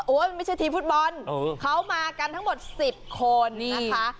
มันไม่ใช่ทีมฟุตบอลเขามากันทั้งหมด๑๐คนนะคะ